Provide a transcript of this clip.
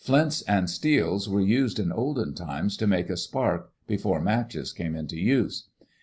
Flints and steels were used in olden times to make a spark, before matches came into use.